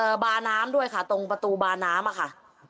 บาน้ำด้วยค่ะตรงประตูบาน้ำอ่ะค่ะ